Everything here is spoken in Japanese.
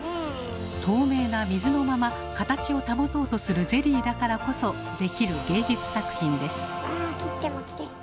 透明な水のまま形を保とうとするゼリーだからこそできる芸術作品です。